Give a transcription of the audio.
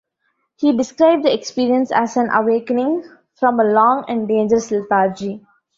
He described the experience as an awakening "from a long and dangerous lethargy".